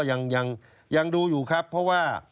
ยังดูอยู่ครับเพราะว่า